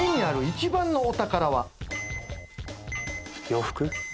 洋服。